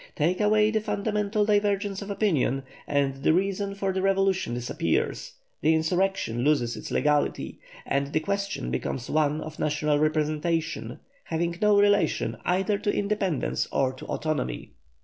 Take away this fundamental divergence of opinion, and the reason for the revolution disappears, the insurrection loses its legality, and the question becomes one of national representation, having no relation either to independence or to autonomy.